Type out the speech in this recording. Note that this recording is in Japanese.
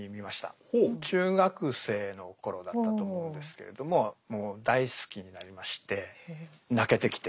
中学生の頃だったと思うんですけれどももう大好きになりまして泣けてきて。